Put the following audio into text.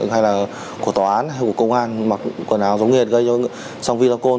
hay là của tòa án hay của công an mặc quần áo giống nghiệt gây cho song vi lọc côn